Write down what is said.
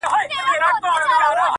ته مور. وطن او د دنيا ښكلا ته شعر ليكې.